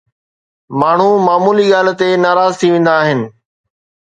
ماڻهو معمولي ڳالهه تي ناراض ٿي ويندا آهن.